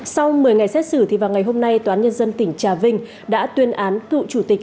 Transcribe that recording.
sau một mươi ngày xét xử thì vào ngày hôm nay tòa án nhân dân tỉnh trà vinh đã tuyên án cựu chủ tịch